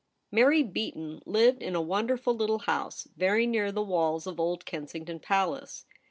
ARY BEATON lived in a wonder ful litde house, very near the walls of old Kensington Palace.